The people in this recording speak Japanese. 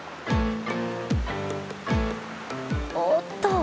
おっと！